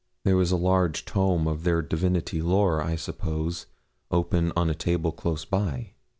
There was a large tome of their divinity lore, I suppose, open on the table close by.